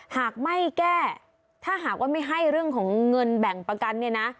หากไม่แก้ถ้าหากว่าไม่ให้เรื่องของเงินแบ่งประกันเนี่ยนะ